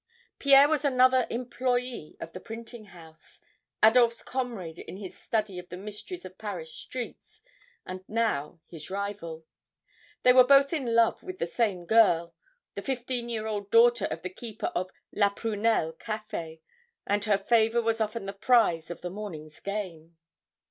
Pierre was another employee of the printing house, Adolphe's comrade in his study of the mysteries of Paris streets, and now his rival. They were both in love with the same girl, the fifteen year old daughter of the keeper of 'La Prunelle' Cafe, and her favor was often the prize of the morning's game.